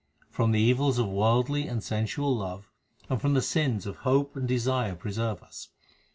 From the evils of worldly and sensual love, and from the sins of hope and desire preserve us.